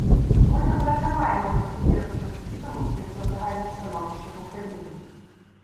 Ми тепер не маємо достовірших відомостей про загальне становище в Україні.